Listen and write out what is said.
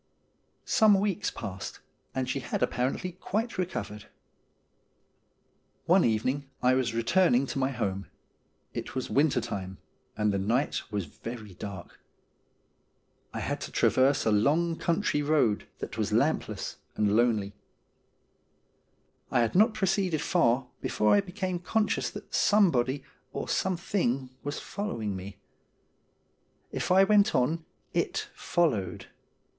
Some weeks passed, and she had apparently quite recovered. One evening I was returning to my home. It was winter time, and the night was very dark. I had to traverse a long country road that was lampless and lonely. I had not proceeded far before I became conscious that somebody or something was following me. If I went on, it followed.